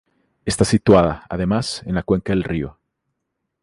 Está situada, además, en la cuenca del río.